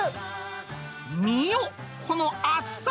見よ、この厚さ。